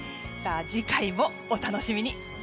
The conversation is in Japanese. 次回もお楽しみに。